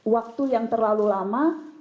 waktu yang terlalu lama